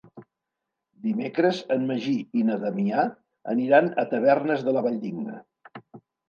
Dimecres en Magí i na Damià aniran a Tavernes de la Valldigna.